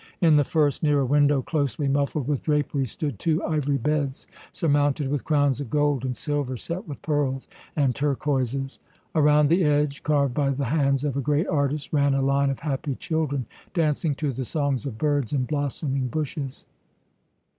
In the first, near a window closely muffled with draperies, stood two ivory beds, surmounted with crowns of gold and silver set with pearls and turquoises. Around the edge, carved by the hands of a great artist, ran a line of happy children dancing to the songs of birds in blossoming bushes.